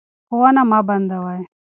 ښوونه مه بندوئ.